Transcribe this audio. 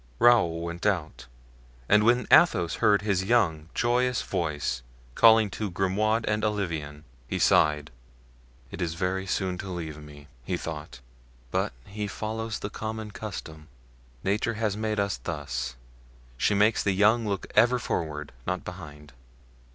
Raoul went out, and when Athos heard his young, joyous voice calling to Grimaud and Olivain, he sighed. "It is very soon to leave me," he thought, "but he follows the common custom. Nature has made us thus; she makes the young look ever forward, not behind.